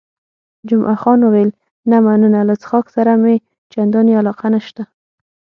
جمعه خان وویل، نه مننه، له څښاک سره مې چندانې علاقه نشته.